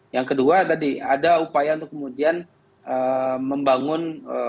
yang kedua tadi ada upaya untuk kemudian membangun